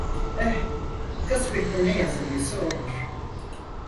Eh, kısmette ne yazılı ise o olur!